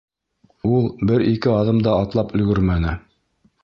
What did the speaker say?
Ул бер-ике аҙым да атлап өлгөрмәне: